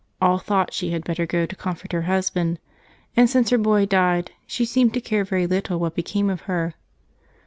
All thought she had better go to comfort her husband, and since her boy died she seemed to care very little what became of her.